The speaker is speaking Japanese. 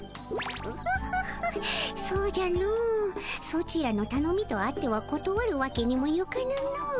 オホホホそうじゃのソチらのたのみとあってはことわるわけにもいかぬの。